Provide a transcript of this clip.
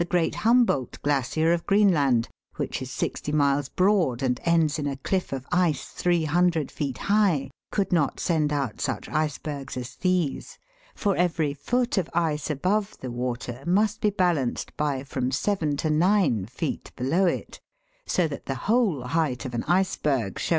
73 great Humboldt glacier of Greenland, which is sixty miles broad and ends in a cliff of ice 300 feet high, could not send out such icebergs as these, for every foot of ice above the water must be balanced by from seven to nine feet below it, so that the whole height of an iceberg showing Fig.